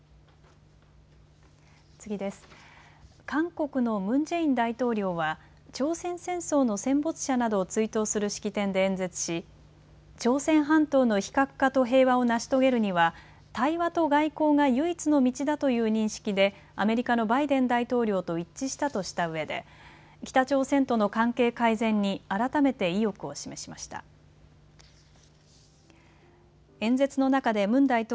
韓国のムン・ジェイン大統領は朝鮮戦争の戦没者などを追悼する式典で演説し、朝鮮半島の非核化と平和を成し遂げるには対話と外交が唯一の道だという認識でアメリカのバイデン大統領と一致したとしたうえで北朝鮮との関係改善に改めて意欲を示しました。